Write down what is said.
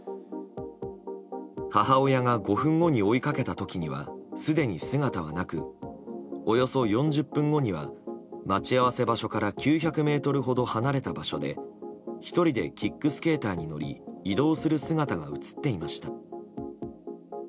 母親が５分後に追いかけた時にはすでに姿はなくおよそ４０分後には待ち合わせ場所から９００ｍほど離れた場所で１人でキックスケーターに乗り移動する姿が映っていました。